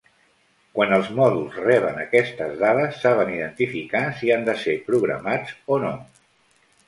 Quan els mòduls reben aquestes dades saben identificar si han de ser programats o no.